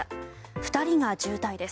２人が重体です。